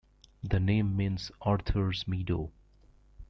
The name means 'Arthur's meadow.